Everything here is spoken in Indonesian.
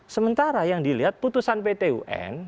sementara yang dilihat putusan pt un